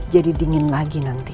jadi dingin lagi nanti